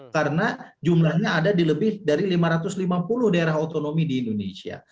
karena jumlahnya ada di lebih dari lima ratus lima puluh daerah otonomi di indonesia